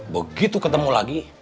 begitu ketemu lagi